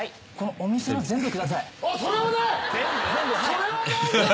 それはないよ！